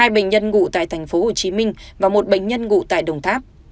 hai bệnh nhân ngủ tại tp hcm và một bệnh nhân ngủ tại đồng tháp